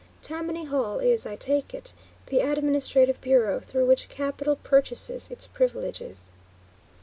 Tammany Hall is, I take it, the administrative bureau through which capital purchases its privileges.